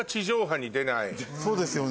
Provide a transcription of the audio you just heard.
そうですよね。